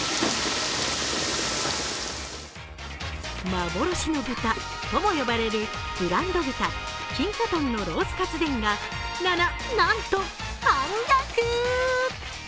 幻の豚とも呼ばれるブランド豚、金華豚のロースかつ膳はなな、なんと、半額！